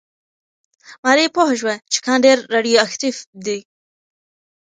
ماري پوه شوه چې کان ډېر راډیواکټیف دی.